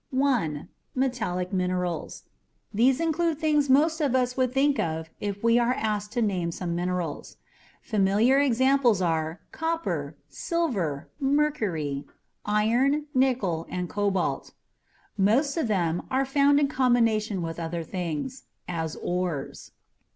1. METALLIC MINERALS. These include things most of us would think of if we were asked to name some minerals. Familiar examples are copper, silver, mercury, iron, nickel and cobalt. Most of them are found in combination with other things as ores.